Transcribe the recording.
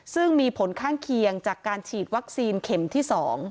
ซึ่งมีผลข้างเคียงจากการฉีดวัคซีนเข็มที่๒